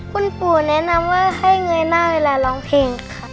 คุณปู่แนะนำว่าให้เงยหน้าเวลาร้องเพลงค่ะ